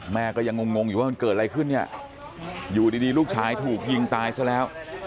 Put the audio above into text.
แม่ก็ยังงงอยู่ว่ามันเกิดอะไรขึ้นเนี่ยอยู่ดีลูกชายถูกยิงตายซะแล้ว